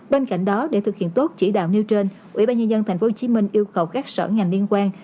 bên cạnh đó để thực hiện tốt chỉ đạo nêu trên ủy ban nhân dân tp hcm yêu cầu các sở ngành liên quan